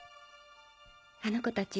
あの子たち